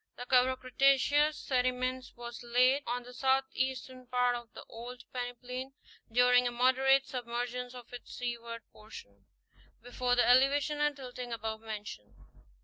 The cover of Cretaceous sediments was laid on the southeastern part of the old peneplain during a moderate submergence of its seaward portion, before the elevation and tilting above mentioned (fig.